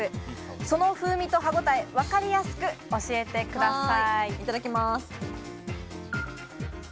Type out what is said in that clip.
その風味と歯ごたえ、わかりやすく教えてください。